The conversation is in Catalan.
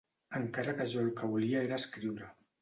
Encara que jo el que volia era escriure.